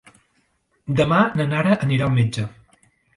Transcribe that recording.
Demà na Nara anirà al metge.